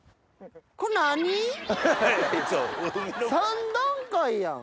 三段階やん。